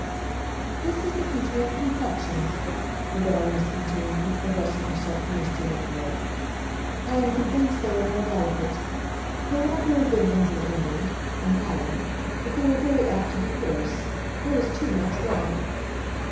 "This is the country of complexions," the Baroness continued, addressing herself to Mr. Wentworth. "I am convinced they are more delicate. There are very good ones in England—in Holland; but they are very apt to be coarse. There is too much red."